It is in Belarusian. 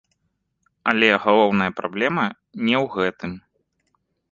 Але галоўная праблема не ў гэтым.